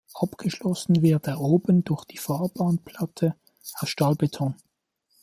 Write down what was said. Abgeschlossen wird er oben durch die Fahrbahnplatte aus Stahlbeton.